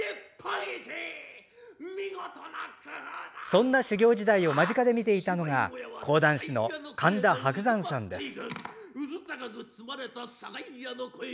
そんな修業時代を間近で見ていたのが講談師の神田伯山さんです。